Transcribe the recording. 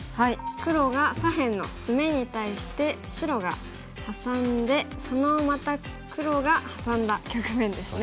黒が左辺のツメに対して白がハサんでそのまた黒がハサんだ局面ですね。